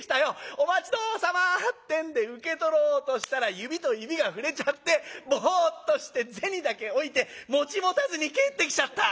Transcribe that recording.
『お待ちどおさま』ってんで受け取ろうとしたら指と指が触れちゃってぼうっとして銭だけ置いて持たずに帰ってきちゃった」。